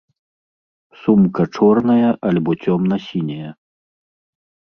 Сумка чорная альбо цёмна сіняя.